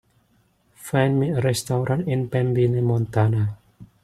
find me a restaurant in Pembine Montana